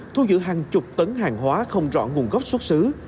thu giữ hàng chục tấn hàng hóa không rõ nguồn gốc xuất xứ